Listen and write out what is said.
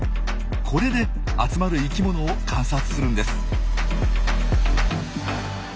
これで集まる生きものを観察するんです。